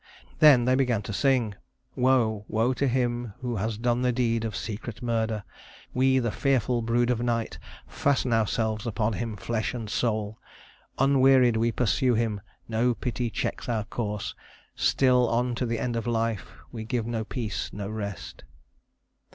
Then they began to sing: "Woe, woe to him who has done the deed of secret murder. We, the fearful brood of night, fasten ourselves upon him, flesh and soul. Unwearied we pursue him; no pity checks our course; still on to the end of life, we give no peace, no rest."